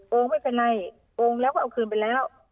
ไม่เป็นไรโกงแล้วก็เอาคืนไปแล้ว